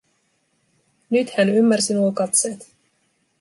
Nyt hän ymmärsi nuo katseet.